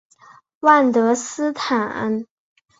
万德斯坦。